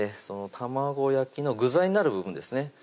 その卵焼きの具材になる部分ですね